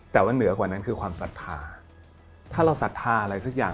แต่ว่าเหนือกว่านั้นคือความศรัทธาถ้าเราศรัทธาอะไรสักอย่าง